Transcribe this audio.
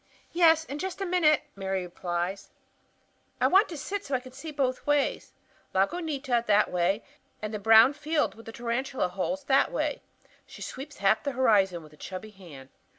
"Yes; in just a minute," Mary replies; "I want to sit so that I can see both ways, Lagunita that way and the brown field with the tarantula holes that way," and she sweeps half the horizon with a chubby hand.